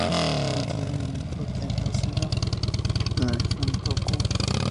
Machi es una miko de un templo shinto de la región de Tōhoku.